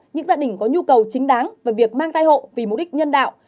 những gia đình có nhu cầu chính đáng và việc mang thai hộ vì mục đích nhân đạo